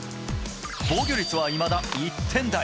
防御率は、いまだ１点台。